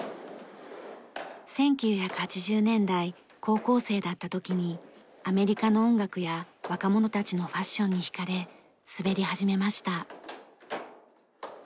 １９８０年代高校生だった時にアメリカの音楽や若者たちのファッションに引かれ滑り始めました。